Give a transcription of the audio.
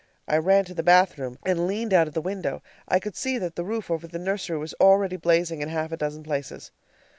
I ran to the bathroom and leaned out of the window. I could see that the roof over the nursery was already blazing in half a dozen places.